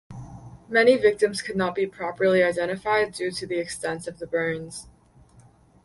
Many victims could not be properly identified due to the extent of the burns.